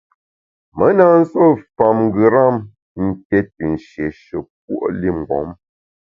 Me na nsuo fam ngeram ké te nshiéshe puo’ li mgbom.